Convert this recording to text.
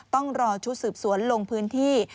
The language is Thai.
ต้องรอชุดสืบสวนลงพื้นที่